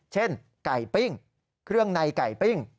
เช่นไก่ปิ้งเครื่องในไก่ปิ้ง